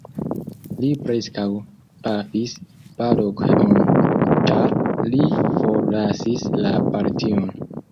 Li preskaŭ pafis Balogh-on, ĉar li forlasis la partion.